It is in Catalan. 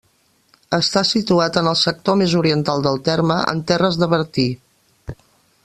Està situat en el sector més oriental del terme, en terres de Bertí.